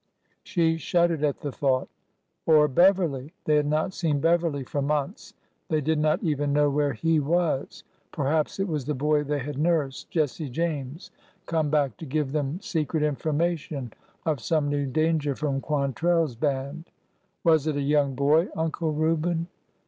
She shuddered at the thought. ... Or Beverly ! They had not seen Beverly for months — they did not even know where he was. ... Perhaps it was the boy they had nursed — Jesse James — come back to 278 ORDER NO. 11 give them secret information of some new danger from Quantrelhs band. '' Was it a young boy, Uncle Reuben?